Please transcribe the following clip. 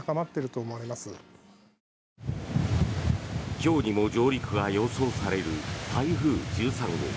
今日にも上陸が予想される台風１３号。